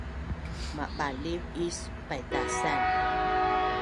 Mabaliv is paitasan